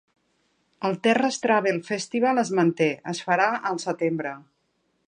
El Terres Travel Festival es manté, es farà al setembre.